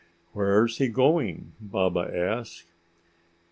"Where's he going?" Baba asked.